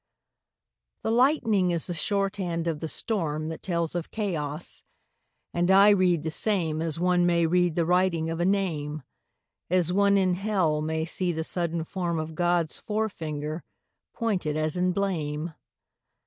The lightning is the shorthand of the storm That tells of chaos; and I read the same As one may read the writing of a name, As one in Hell may see the sudden form Of God's fore finger pointed as in blame.